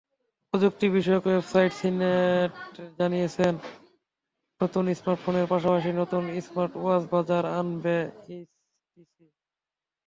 প্রযুক্তিবিষয়ক website CNET জানিয়েছে, নতুন স্মার্টফোনের পাশাপাশি নতুন স্মার্টওয়াচ বাজারে আনবে এইচটিসি।